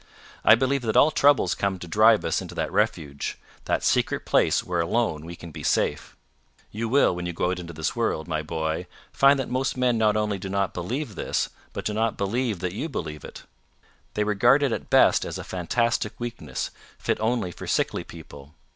I believe that all troubles come to drive us into that refuge that secret place where alone we can be safe. You will, when you go out into the world, my boy, find that most men not only do not believe this, but do not believe that you believe it. They regard it at best as a fantastic weakness, fit only for sickly people.